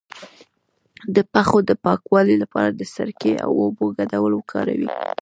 د پښو د پاکوالي لپاره د سرکې او اوبو ګډول وکاروئ